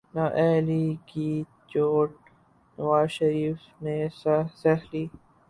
نااہلی کی چوٹ نواز شریف نے سہہ لی۔